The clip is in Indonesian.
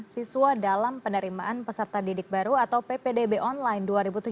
siswa dalam penerimaan peserta didik baru atau ppdb online dua ribu tujuh belas